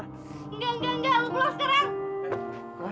enggak enggak enggak lo puas sekarang